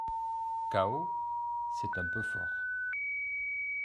Chaos, c’est un peu fort